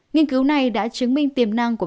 nghiên cứu này đã chứng minh tiềm năng của